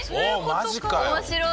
面白い！